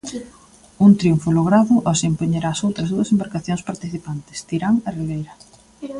Un triunfo logrado ao se impoñer ás outras dúas embarcacións participantes, Tirán e Ribeira.